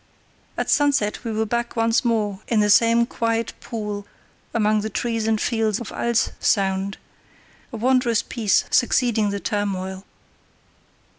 At sunset we were back once more in the same quiet pool among the trees and fields of Als Sound, a wondrous peace succeeding the turmoil.